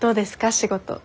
仕事。